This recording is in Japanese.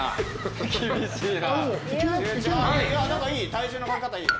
体重のかけ方いい。